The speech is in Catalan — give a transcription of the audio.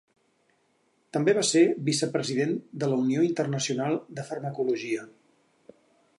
També va ser vicepresident de la Unió Internacional de Farmacologia.